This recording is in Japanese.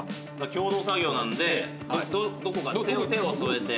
共同作業なのでどこかに手を添えて。